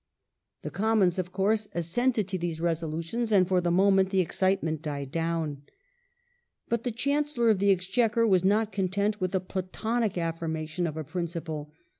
The Commons, of coui se, assented to these Resolutions, and, for the moment, the excitement died down. But the Chancellor of the Exchequer was not content with the Platonic affirmation of a principle.